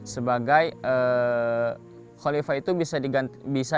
sebagai khalifah itu bisa diantar